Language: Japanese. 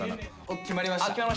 僕決まりました。